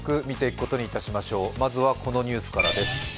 まずはこのニュースからです。